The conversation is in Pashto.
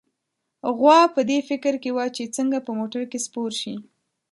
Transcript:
غوا په دې فکر کې وه چې څنګه په موټر کې سپور شي.